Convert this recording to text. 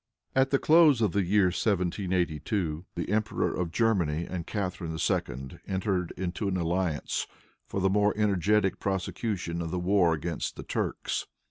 At the close of the year 1782, the Emperor of Germany and Catharine II. entered into an alliance for the more energetic prosecution of the war against the Turks.